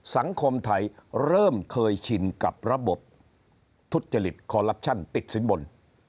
สังคมไทยเริ่มเคยชินกับระบบทุจริตคอลลับชั่นติดสินบน